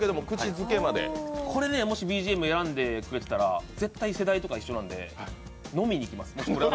これね、もしＢＧＭ選んでくれてたら絶対、世代とか一緒なんで飲みに行きます。